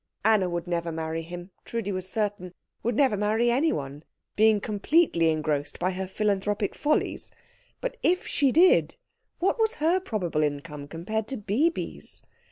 Anna would never marry him, Trudi was certain would never marry anyone, being completely engrossed by her philanthropic follies; but if she did, what was her probable income compared to Bibi's?